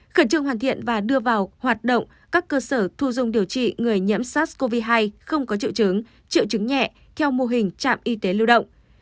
khẩn trương hoàn thiện và đưa vào hoạt động các cơ sở thu dung điều trị người nhiễm sars cov hai không có triệu chứng triệu chứng nhẹ theo mô hình trạm y tế lưu động